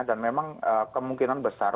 dan memang kemungkinan besar